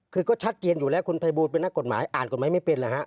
คือก็ชัดเจนอยู่แล้วคุณภัยบูลเป็นนักกฎหมายอ่านกฎหมายไม่เป็นแล้วฮะ